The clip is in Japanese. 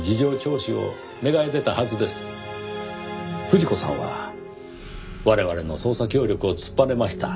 富士子さんは我々の捜査協力を突っぱねました。